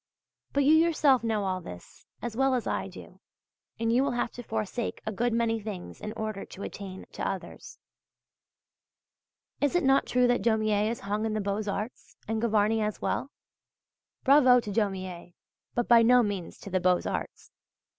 But you yourself know all this as well as I do, and you will have to forsake a good many things in order to attain to others. Is it not true that Daumier is hung in the Beaux Arts and Gavarni as well? Bravo to Daumier, but by no means to the Beaux Arts!